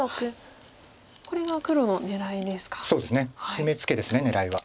シメツケです狙いは。